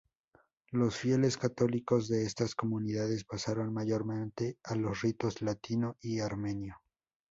Los fieles católicos de estas comunidades pasaron mayormente a los ritos latino y armenio.